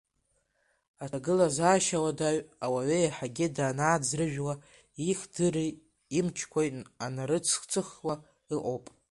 Аҭагылазаашьа уадаҩ ауаҩы еиҳагьы данаӡрыжәуа, ихдыреи имчқәеи анарцыхцыхуа ыҟоуп.